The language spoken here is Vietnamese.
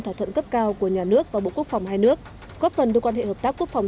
thỏa thuận cấp cao của nhà nước và bộ quốc phòng hai nước góp phần đưa quan hệ hợp tác quốc phòng